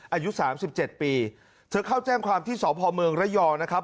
อายุ๓๗ปีเธอเข้าแจ้งความที่สเมืองระยองนะครับ